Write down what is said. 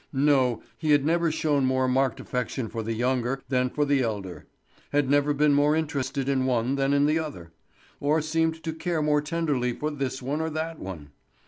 No, he had never shown more marked affection for the younger than for the elder, had never been more interested in one than in the other, or seemed to care more tenderly for this one or that one.